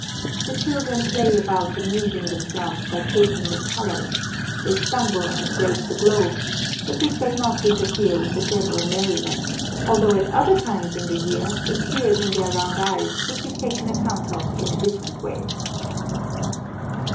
The children play about amusing themselves by chasing the colors, they stumble and break the globes, but this does not interfere with the general merriment, although at other times in the year the tears in their round eyes would be taken account of in a different way.